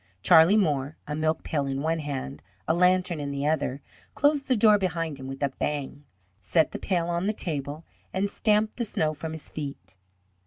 Charlie Moore, a milk pail in one hand, a lantern in the other, closed the door behind him with a bang, set the pail on the table and stamped the snow from his feet.